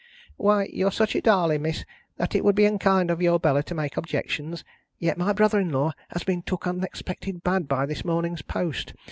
"Why, you're such a darling, Miss, that it would be unkind of your Bella to make objections. Yet my brother in law has been took unexpected bad by this morning's post.